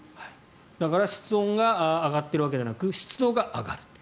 だから室温が上がっているわけではなくて湿度が上がると。